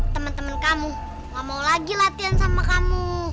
temen temen kamu gak mau lagi latihan sama kamu